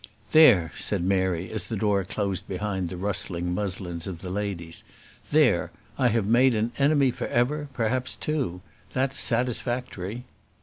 "There," said Mary, as the door closed behind the rustling muslins of the ladies. "There, I have made an enemy for ever, perhaps two; that's satisfactory."